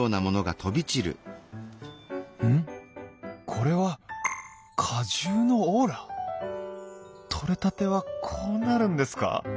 これは果汁のオーラ？取れたてはこうなるんですか！